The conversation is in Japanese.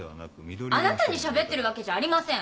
あなたにしゃべってるわけじゃありません！